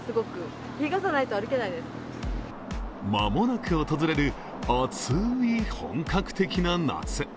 間もなく訪れる暑い本格的な夏。